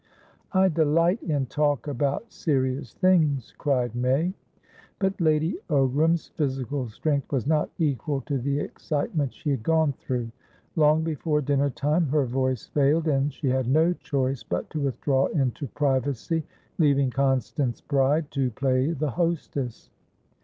"I delight in talk about serious things!" cried May. But Lady Ogram's physical strength was not equal to the excitement she had gone through. Long before dinner time her voice failed, and she had no choice but to withdraw into privacy, leaving Constance Bride to play the hostess.